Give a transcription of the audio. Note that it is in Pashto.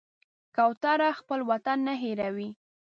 کوتره خپل وطن نه هېروي.